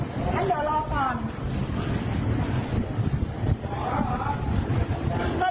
ก็ผิด๑๕๗ปีแล้วผลไข้มารักษาพี่ไม่ยอมรักษา